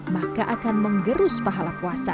maka akan menggerus pahala puasa